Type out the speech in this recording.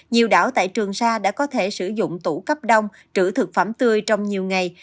nhiều đảo tại trường sa đã có thể sử dụng tủ cấp đông trữ thực phẩm tươi trong nhiều ngày